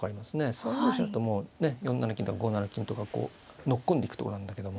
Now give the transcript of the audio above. ３五飛車だともうね４七金とか５七金とかこう乗っ込んでいくとこなんだけども。